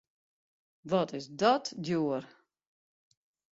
Wat is dat djoer!